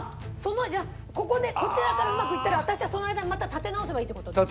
じゃあここでこちらからうまくいったら私はその間また立て直せばいいって事ですか？